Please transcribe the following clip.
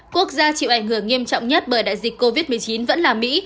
quốc gia chịu ảnh hưởng nghiêm trọng nhất bởi đại dịch covid một mươi chín vẫn là mỹ